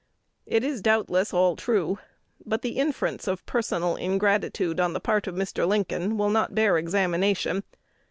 It is doubtless all true; but the inference of personal ingratitude on the part of Mr. Lincoln will not bear examination.